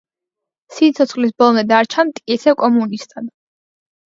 სიცოცხლის ბოლომდე დარჩა მტკიცე კომუნისტად.